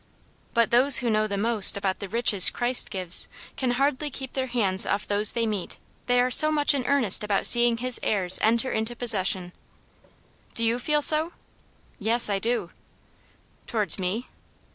" But those who know the most about the riches Christ gives, can hardly keep their hands off those they meet, they are so much in earnest about seeing His heirs enter into possession." " Do you feel so V^ " Yes, I do." "Towards me?"